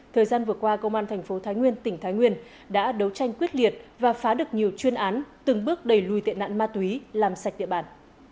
thời gian vừa qua công an thành phố thái nguyên tỉnh thái nguyên đã đấu tranh quyết liệt và phá được nhiều chuyên án từng bước đẩy lùi tệ nạn ma túy làm sạch địa bàn